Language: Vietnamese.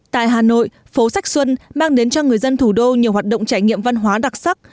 tại hà nội phố sách xuân mang đến cho người dân thủ đô nhiều hoạt động trải nghiệm văn hóa đặc sắc